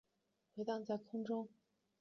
回荡在空中